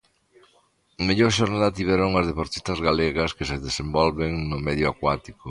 Mellor xornada tiveron as deportistas galegas que se desenvolven no medio acuático.